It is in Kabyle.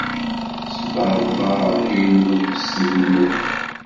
Sberber i lwens-inu.